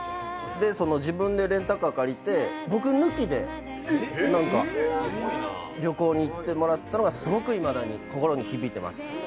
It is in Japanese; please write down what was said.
その自分でレンタカー借りて僕抜きでなんか旅行に行ってもらったのがすごくいまだに心に響いてます。